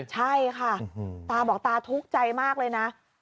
ใช่ค่ะตาบอกตาทุกข์ใจมากเลยนะ